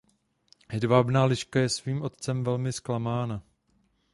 Hedvábná liška je svým otcem velmi zklamaná.